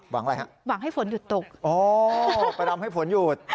อะไรฮะหวังให้ฝนหยุดตกอ๋อประดำให้ฝนหยุด